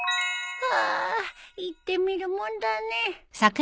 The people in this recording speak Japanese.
ああ言ってみるもんだね